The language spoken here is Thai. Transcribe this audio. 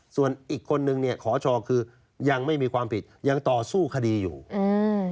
ส่วนอีกคนนึงเนี่ยขอชอคือยังไม่มีความผิดยังต่อสู้คดีอยู่อืม